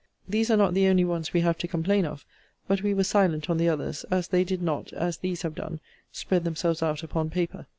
These are not the only ones we have to complain of; but we were silent on the others, as they did not, as these have done, spread themselves out upon paper.